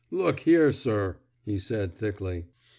Look here, sir,'* he said, thickly.